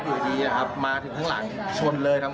อยู่ดีมาถึงข้างหลังชนเลยครับ